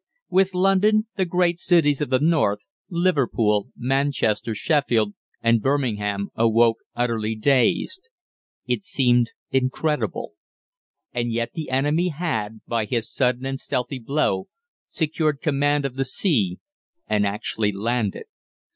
With London, the great cities of the north, Liverpool, Manchester, Sheffield, and Birmingham, awoke utterly dazed. It seemed incredible. And yet the enemy had, by his sudden and stealthy blow, secured command of the sea and actually landed.